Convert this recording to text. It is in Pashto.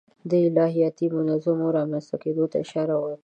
د الهیاتي منظومو رامنځته کېدو ته اشاره وکړو.